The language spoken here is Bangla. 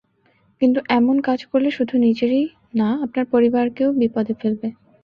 কিন্তু এমন কাজ করলে, শুধু নিজেরই না আপনার পরিবারকেও বিপদে ফেলবে।